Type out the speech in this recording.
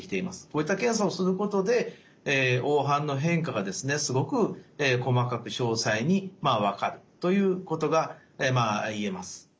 こういった検査をすることで黄斑の変化がですねすごく細かく詳細に分かるということが言えます。